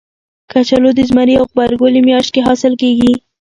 کچالو د زمري او غبرګولي میاشت کې حاصل کېږي